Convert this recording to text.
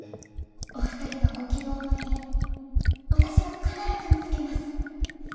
お二人がご希望の家私が必ず見つけます！